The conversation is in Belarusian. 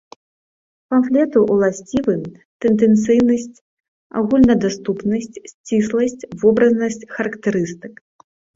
Памфлету ўласцівы тэндэнцыйнасць, агульнадаступнасць, сцісласць, вобразнасць характарыстык.